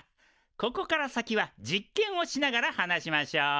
ここから先は実験をしながら話しましょう。